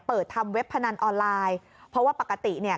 เปิดทำเว็บพนันออนไลน์เพราะว่าปกติเนี่ย